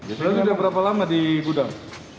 ini udah berapa lama di gudang